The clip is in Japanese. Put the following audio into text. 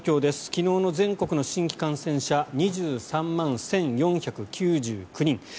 昨日の全国の新規感染者２３万１４９９人。